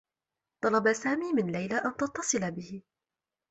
طلب سامي من ليلى أن تتّصل به.